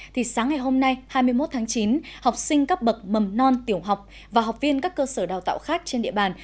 thì sáng ngày hôm nay hai mươi một tháng chín học sinh các bậc mầm non tiểu học và học viên các cơ sở đào tạo khác trên địa bàn